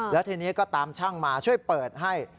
แล้วทีนี้ก็ตามช่างมาช่วยเปิดให้